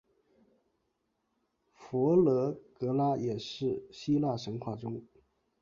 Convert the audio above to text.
佛勒格拉也是希腊神话中。